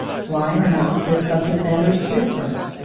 Why are not the tips of the feathers stiffer?